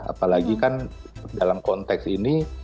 apalagi kan dalam konteks ini